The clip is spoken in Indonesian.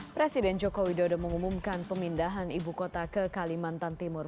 presiden joko widodo mengumumkan pemindahan ibu kota ke kalimantan timur